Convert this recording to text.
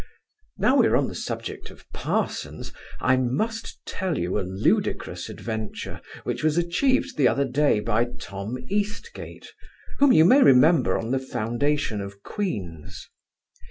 Now we are upon the subject of parsons, I must tell you a ludicrous adventure, which was achieved the other day by Tom Eastgate, whom you may remember on the foundation of Queen's.